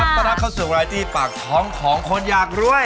ต้อนรับเข้าสู่รายที่ปากท้องของคนอยากรวย